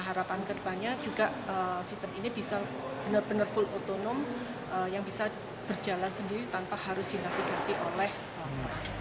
harapan kedepannya juga sistem ini bisa benar benar full otonom yang bisa berjalan sendiri tanpa harus dinavigasi oleh orang